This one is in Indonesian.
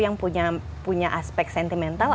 yang punya aspek sentimental